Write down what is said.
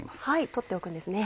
取っておくんですね。